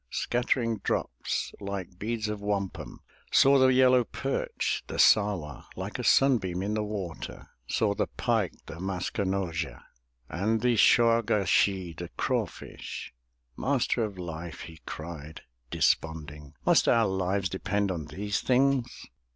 Scattering drops like beads of wampum, Saw the yellow perch, the Sah'wa, Like a sunbeam in the water, Saw the pike, the Mask e no'zha, And the Shaw' ga shee', the craw fish! "Master of Life!" he cried, desponding, "Must our lives depend on these things?"